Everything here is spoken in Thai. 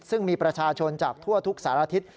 ซึ่งมีประชาชนจากทั่วทุกสารทิศ